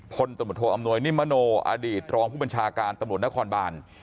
พลตำรวจโทอำนวยนิมมโนอดีตรองผู้บัญชาการตำรวจนครบาน